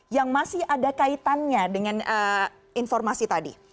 yang masih ada kaitannya dengan informasi tadi